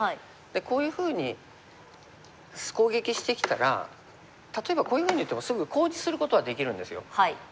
こういうふうに攻撃してきたら例えばこういうふうに打ってもすぐコウにすることはできるんですよ。